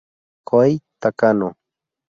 Kohei Takano